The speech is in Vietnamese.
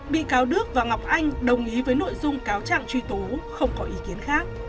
bị cáo đức và ngọc anh đồng ý với nội dung cáo trạng truy tố không có ý kiến khác